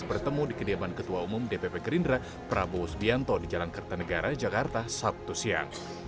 bertemu di kediaman ketua umum dpp gerindra prabowo subianto di jalan kertanegara jakarta sabtu siang